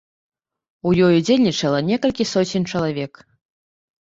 У ёй удзельнічала некалькі соцень чалавек.